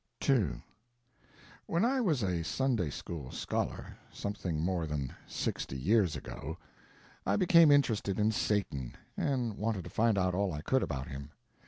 II When I was a Sunday school scholar, something more than sixty years ago, I became interested in Satan, and wanted to find out all I could about him.